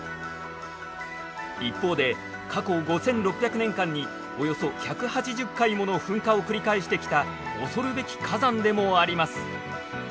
一方で過去５，６００年間におよそ１８０回もの噴火を繰り返してきた恐るべき火山でもあります。